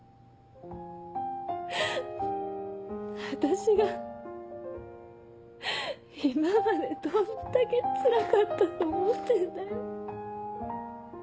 私が今までどんだけつらかったと思ってんだよ。